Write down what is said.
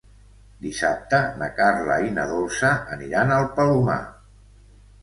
Dissabte na Carla i na Dolça aniran al Palomar.